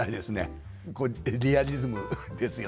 これリアリズムですよね。